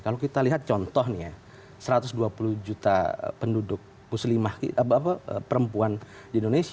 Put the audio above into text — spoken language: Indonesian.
kalau kita lihat contohnya satu ratus dua puluh juta penduduk muslimah perempuan di indonesia